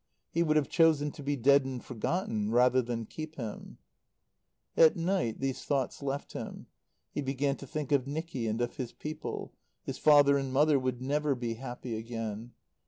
He would have chosen to be dead and forgotten rather than keep him. At night these thoughts left him. He began to think of Nicky and of his people. His father and mother would never be happy again.